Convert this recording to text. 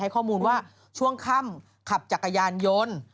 ข้อมูลว่าช่วงค่ำขับจักรยานยนต์